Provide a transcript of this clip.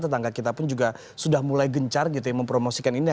tetangga kita pun juga sudah mulai gencar gitu ya mempromosikan ini